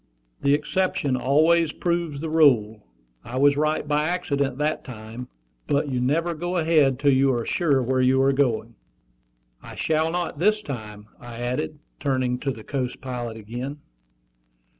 "The exception always proves the rule. I was right by accident that time. But you never go ahead till you are sure where you are going." "I shall not this time," I added, turning to the Coast Pilot again.